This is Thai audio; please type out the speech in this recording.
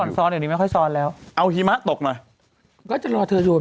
นุ้มไม่ง่ายหรอก